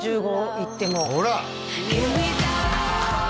１５いってもほら！